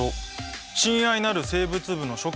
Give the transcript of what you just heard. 「親愛なる生物部の諸君